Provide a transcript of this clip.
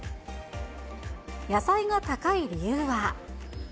野菜が高い理由は。